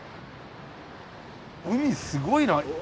海すごいな。